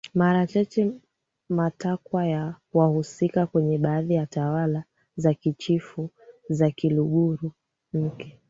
mara chache matakwa ya wahusikaKwenye baadhi ya tawala za Kichifu za Kiluguru Mke